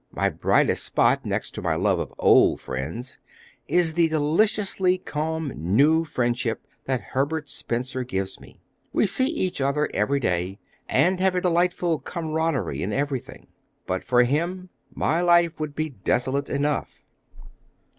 My brightest spot, next to my love of old friends, is the deliciously calm, new friendship that Herbert Spencer gives me. We see each other every day, and have a delightful camaraderie in everything. But for him my life would be desolate enough."